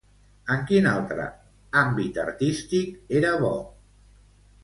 En quin altre àmbit artístic era bo?